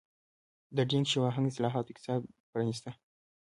د ډینګ شیاوپینګ اصلاحاتو اقتصاد پرانیسته.